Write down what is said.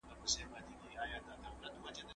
هغه وويل چي درسونه ضروري دي؟!